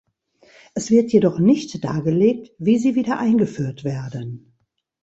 Es wird jedoch nicht dargelegt, wie sie wieder eingeführt werden.